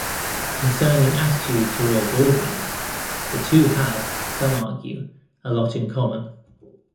Concerning attitude toward audience, the two have, some argue, a lot in common.